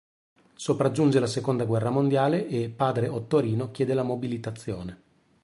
Sopraggiunge la Seconda guerra mondiale e Padre Ottorino chiede la mobilitazione.